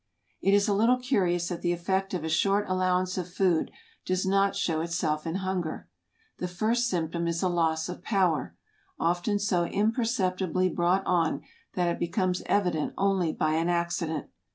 It is a little curious that the effect of a short allowance of food does not show itself in hunger. The first symptom is a loss of power, often so imperceptibly brought on that it becomes evident only by an accident.